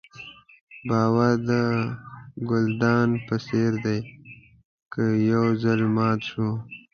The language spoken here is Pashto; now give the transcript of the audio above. باور د ګلدان په څېر دی که یو ځل مات شو.